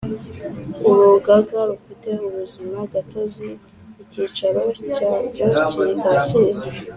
urugaga rufite ubuzima gatozi icyicaro cyaryo kiri kacyiru